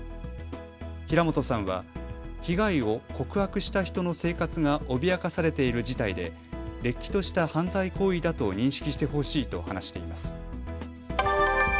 平本さんは被害を告白した人の生活が脅かされている事態でれっきとした犯罪行為だと認識してほしいと話しています。